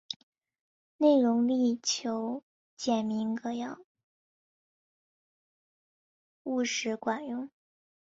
内容力求简明扼要、务实管用